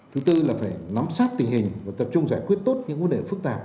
thứ tư là phải nắm sát tình hình và tập trung giải quyết tốt những vấn đề phức tạp